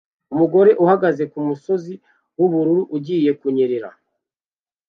Umugore uhagaze kumusozi wubura ugiye kunyerera